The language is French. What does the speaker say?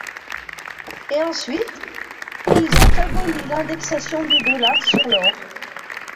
Et ensuite, ils ont aboli l’indexation du dollar sur l’or.